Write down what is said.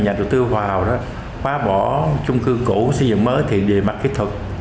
nhà đầu tư vào đó khóa bỏ chung cư cũ xây dựng mới thiện địa mặt kỹ thuật